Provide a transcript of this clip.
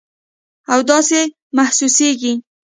او داسې محسوسیږي